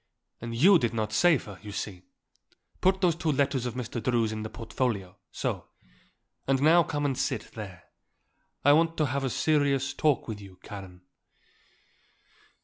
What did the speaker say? And you did not save her, you see. Put those two letters of Mr. Drew's in the portfolio; so. And now come and sit, there. I want to have a serious talk with you, Karen."